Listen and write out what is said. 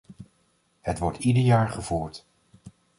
Het wordt ieder jaar gevoerd.